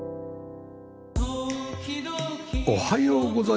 おはようございます。